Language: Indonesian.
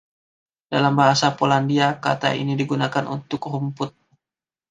Dalam bahasa Polandia, kata ini digunakan untuk rumput.